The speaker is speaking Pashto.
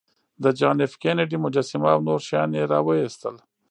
د جان ایف کینیډي مجسمه او نور شیان یې راویستل